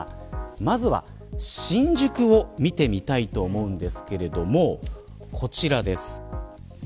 まずは、新宿を見てみたいと思うんですけれどもこちらです。